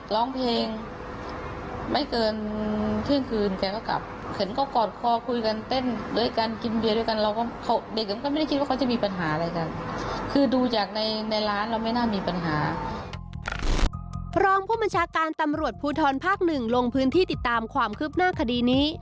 รองผู้บัญชาการตำรวจภูทรภาคหนึ่งลงพื้นที่ติดตามความคืบหน้าคดีนี้